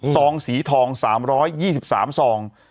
ซองสีทอง๓๒๓ซอง